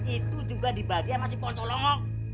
itu juga dibagi sama si poncolongok